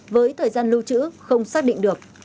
với thời gian lưu trữ không xác định được